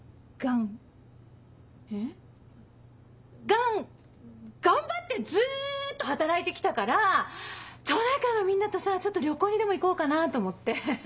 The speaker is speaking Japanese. ガン頑張ってずっと働いて来たから町内会のみんなとさちょっと旅行にでも行こうかなと思って。